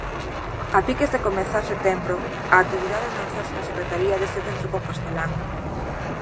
A piques de comezar setembro, a actividade non cesa na secretaría deste centro compostelán.